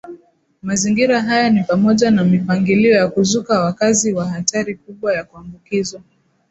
Mazingira haya ni pamoja na mipangilio ya kuzuka wakazi wa hatari kubwa ya kuambukizwa